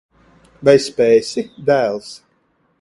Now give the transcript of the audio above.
Vai spēsi, dēls?